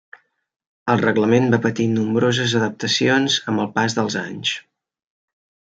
El reglament va patir nombroses adaptacions amb el pas dels anys.